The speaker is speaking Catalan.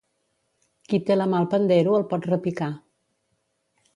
Qui té la mà al pandero el pot repicar.